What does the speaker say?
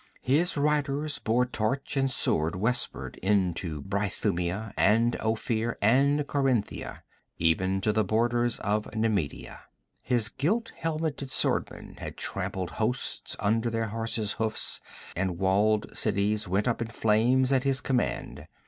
His riders bore torch and sword westward into Brythunia and Ophir and Corinthia, even to the borders of Nemedia. His gilt helmeted swordsmen had trampled hosts under their horses' hoofs, and walled cities went up in flames at his command.